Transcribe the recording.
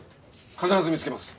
必ず見つけます。